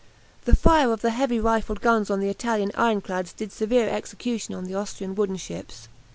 The fire of the heavy rifled guns on the Italian ironclads did severe execution on the Austrian wooden ships.